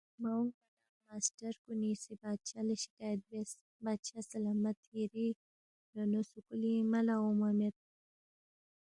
مہ اونگما نہ ماسٹر کُنی سی بادشاہ لہ شکایت بیاس، بادشاہ سلامت یری نونو سکُولِنگ ملا اونگما مید